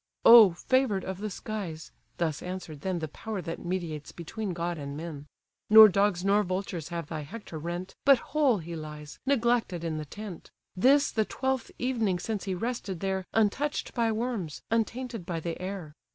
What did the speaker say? "O favour'd of the skies! (thus answered then The power that mediates between god and men) Nor dogs nor vultures have thy Hector rent, But whole he lies, neglected in the tent: This the twelfth evening since he rested there, Untouch'd by worms, untainted by the air.